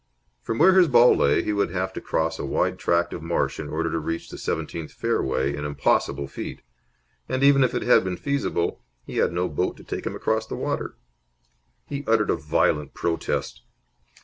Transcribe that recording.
From where his ball lay he would have to cross a wide tract of marsh in order to reach the seventeenth fairway an impossible feat. And, even if it had been feasible, he had no boat to take him across the water. He uttered a violent protest.